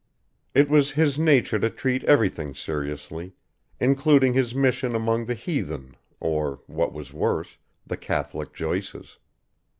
It was his nature to treat everything seriously, including his mission among the heathen or, what was worse, the Catholic Joyces.